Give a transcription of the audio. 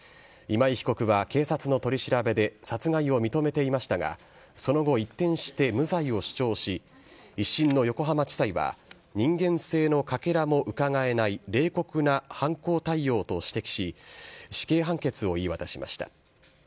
今井被告は警察の取り調べで、殺害を認めていましたが、その後、一転して無罪を主張し、１審の横浜地裁は人間性のかけらもうかがえない冷酷な犯行態様と指摘し、死刑判決を言い渡しました。